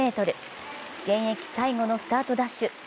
現役最後のスタートダッシュ。